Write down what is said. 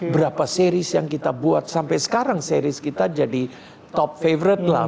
berapa series yang kita buat sampai sekarang series kita jadi top favorit lah